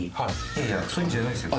いやそういうんじゃないですよ。